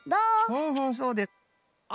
ふんふんそうであっ！